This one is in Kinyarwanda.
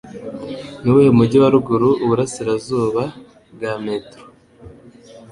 Nuwuhe mujyi wa ruguru uburasirazuba bwa Metro?